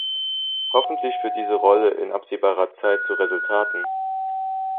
Hoffentlich führt diese Rolle in absehbarer Zeit zu Resultaten.